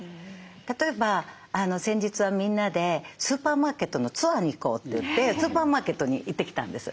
例えば先日はみんなでスーパーマーケットのツアーに行こうといってスーパーマーケットに行ってきたんです。